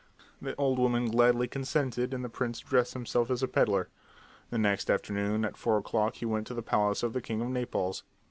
The old woman gladly consented, and the prince dressed himself as a peddler. The next afternoon at four o'clock he went to the palace of the king of Naples.